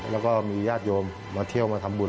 แล้วก็มีญาติโยมมาเที่ยวมาทำบุญ